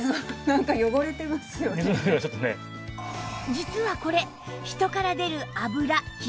実はこれ人から出る脂